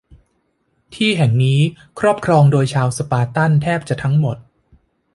ที่แห่งนี้ครอบครองโดยชาวสปาร์ตันแทบจะทั้งหมด